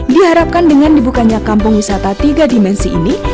diharapkan dengan dibukanya kampung wisata tiga dimensi ini